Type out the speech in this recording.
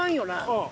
うん。